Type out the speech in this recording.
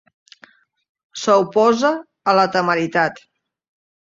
S'oposa a la temeritat.